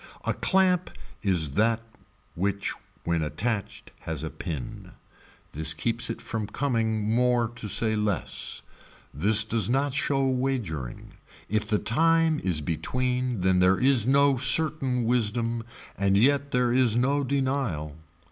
A clamp is that which when attached has a pin. This keeps it from coming more to say less. This does not show wagering. If the time is between then there is no certain wisdom and yet there is no denial.